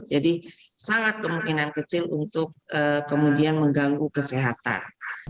jadi sangat kemungkinan kecil untuk kemudian mengganggu kesehatan